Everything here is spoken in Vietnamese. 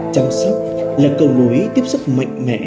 chăm sóc là cầu nối tiếp xúc mạnh mẽ